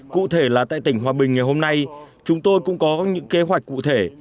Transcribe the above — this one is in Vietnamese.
cụ thể là tại tỉnh hòa bình ngày hôm nay chúng tôi cũng có những kế hoạch cụ thể